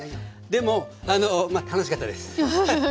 でもあの楽しかったです。